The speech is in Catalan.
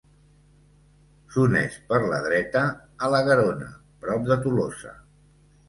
S'uneix per la dreta a la Garona, prop de Tolosa.